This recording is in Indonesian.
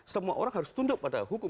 semua orang harus tunduk pada hukum